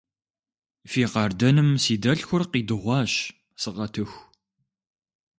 Фи къардэным си дэлъхур къидыгъуащ, сыкъэтыху.